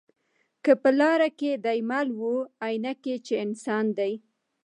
که په لاره کی دي مل وو آیینه کي چي انسان دی